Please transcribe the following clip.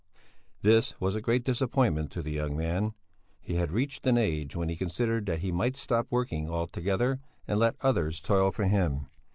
This was a great disappointment to the young man; he had reached an age when he considered that he might stop working altogether and let others toil for him.